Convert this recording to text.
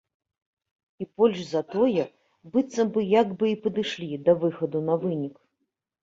І больш за тое, быццам бы як бы і падышлі да выхаду на вынік.